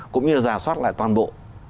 cũng như là giả soát lại toàn bộ